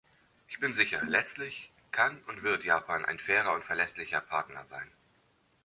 Ich bin sicher, letztlich kann und wird Japan ein fairer und verlässlicher Partner sein.